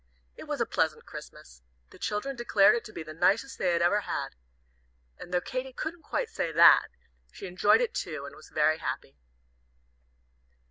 That was a pleasant Christmas. The children declared it to be the nicest they had ever had. And though Katy couldn't quite say that, she enjoyed it too, and was very happy.